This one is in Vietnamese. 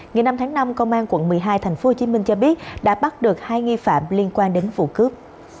ngày năm tháng năm công an quận một mươi hai tp hcm cho biết đã bắt được hai nghi phạm liên quan đến vụ cướp